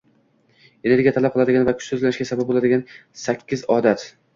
Energiya talab qiladigan va kuchsizlanishga sabab bo‘ladigansakkizodat